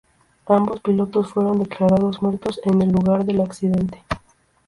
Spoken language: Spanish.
Ambos pilotos fueron declarados muertos en el lugar del accidente.